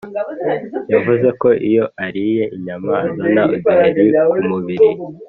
Yavuze ko iyo ariye inyama azana uduheri kumubiri